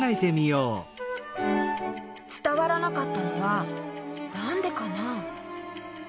つたわらなかったのはなんでかな？